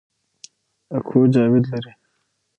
اکو جاوید لري